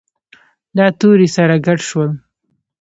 دا توري سره ګډ شول.